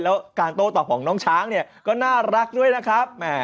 แล้วกลางโตะของช้างนี่าก็น่ารักด้วยนะครับ